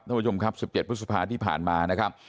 ท่านผู้ชมครับ๑๗พฤษภาที่ผ่านมานะครับ